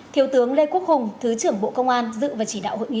thiếu tướng lê quốc hùng thứ trưởng bộ công an dự và chỉ đạo hội nghị